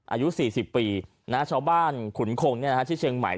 อายุสี่สิบปีนะชาวบ้านขุนขงเนี้ยนะฮะที่เชียงใหม่